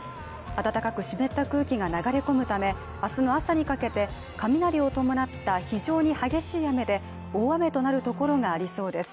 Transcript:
暖かく湿った空気が流れ込むため明日の朝にかけて雷を伴った非常に激しい雨で大雨となるところがありそうです。